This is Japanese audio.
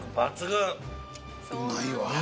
うまいわ。